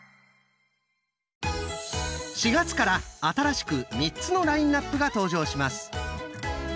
４月から新しく３つのラインナップが登場します！